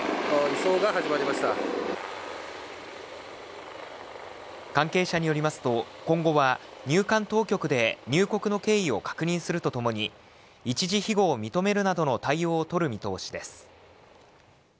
今、関係者によりますと、今後は入管当局で入国の経緯を確認するとともに、一時ひごを認めるなどの対応を取る見通しです。